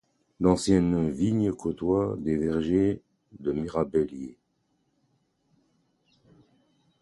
D'anciennes vignes côtoient des vergers de mirabelliers.